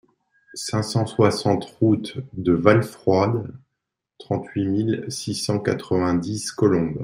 cinq cent soixante route de Valfroide, trente-huit mille six cent quatre-vingt-dix Colombe